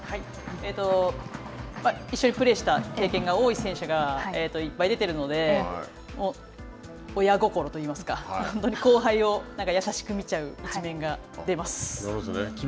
一緒にプレーした経験が多い選手がいっぱい出ているので、親心といいますか本当に後輩を優しく見ちゃう一面が出ます。